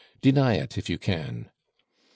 deny it, if you can.' Mr.